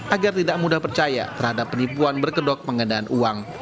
agar tidak mudah percaya terhadap penipuan berkedok penggandaan uang